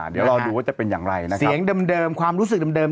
เดี๋ยวรอดูว่าจะเป็นอย่างไรนะครับเสียงเดิมความรู้สึกเดิม